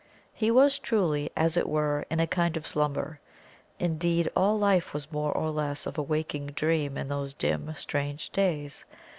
He was truly, as it were, in a kind of slumber; indeed, all life was more or less of a waking dream in those dim, strange days.